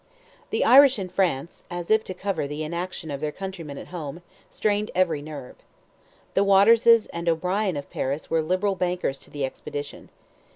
The Irish in France, as if to cover the inaction of their countrymen at home, strained every nerve. The Waterses and O'Brien of Paris were liberal bankers to the expedition.